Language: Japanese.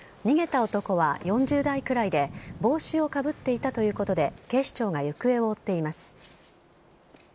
逃げた男は４０代くらいで、帽子をかぶっていたということで、警視庁が行方を追っています。